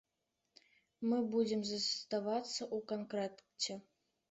Мы будзем заставацца ў кантакце.